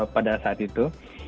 pada saat itu